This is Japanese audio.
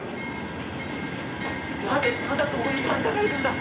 なぜまだここに患者がいるんだ！？